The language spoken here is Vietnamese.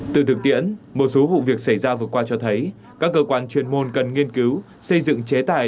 từ thực tiễn một số vụ việc xảy ra vừa qua cho thấy các cơ quan chuyên môn cần nghiên cứu xây dựng chế tài